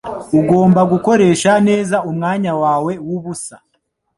Ugomba gukoresha neza umwanya wawe wubusa.